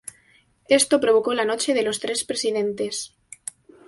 Esto provocó la "noche de los tres presidentes".